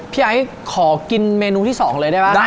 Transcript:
พี่ไอ้ขอกินเมนูที่สองเลยได้ปะ